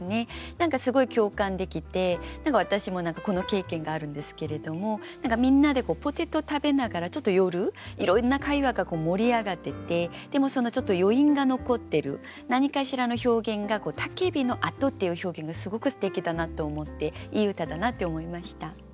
何かすごい共感できて私もこの経験があるんですけれどもみんなでポテト食べながらちょっと夜いろんな会話が盛り上がっててでもちょっと余韻が残ってる何かしらの表現が「焚き火の跡」っていう表現がすごくすてきだなと思っていい歌だなって思いました。